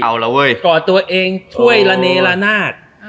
เอาแล้วเว้ยก่อตัวเองถ้วยละเนละนาด